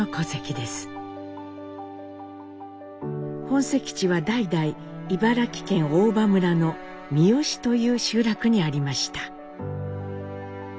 本籍地は代々茨城県大場村の三美という集落にありました。